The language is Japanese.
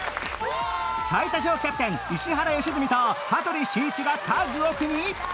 最多勝キャプテン石原良純と羽鳥慎一がタッグを組み